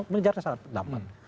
mengajarnya sangat lambat